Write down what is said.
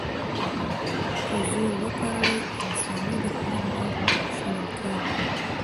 که زور وکاروي، انساني دوښمن به شړل کېږي.